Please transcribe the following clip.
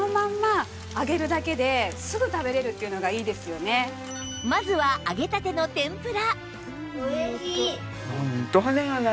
先ほどのまずは揚げたての天ぷら